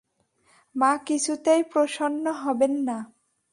মা কি কিছুতেই প্রসন্ন হবেন না?